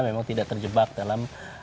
memang tidak terjebak dalam